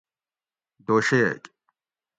دوشیک